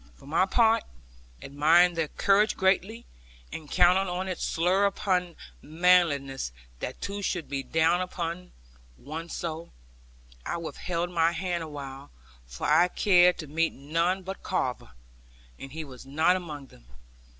For my part, admiring their courage greatly, and counting it slur upon manliness that two should be down upon one so, I withheld my hand awhile; for I cared to meet none but Carver; and he was not among them.